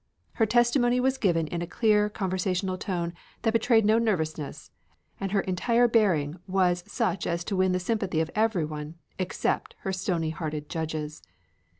Her testimony was given in a clear conversational tone that betrayed no nervousness and her entire bearing was such as to win the sympathy of everyone except her stony hearted judges.